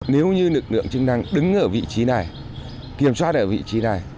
nếu như lực lượng chức năng đứng ở vị trí này kiểm soát ở vị trí này